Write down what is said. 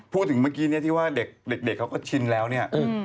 พูดถึงเมื่อกี้ฐี่ว่าเด็กเขาก็ชินแล้วนะ